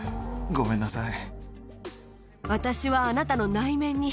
ごめんなさい。